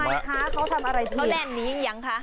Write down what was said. ทำไมคะเขาทำอะไรผิดเขาแรนหนียังคะ